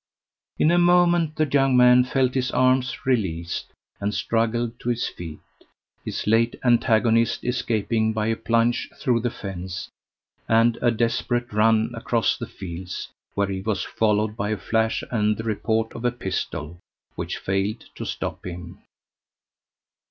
In a moment the young man felt his arms released, and struggled to his feet, his late antagonist escaping by a plunge through the fence and a desperate run across the fields, where he was followed by a flash and the report of a pistol, which failed to stop him.